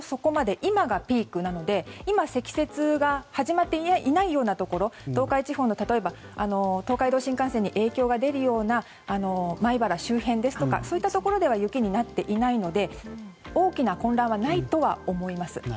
今がピークなので今、積雪が始まっていないところ東海地方の東海道新幹線に影響が出るような舞原周辺ですとかそういったところでは雪になっていないので大きな混乱はないとは思います。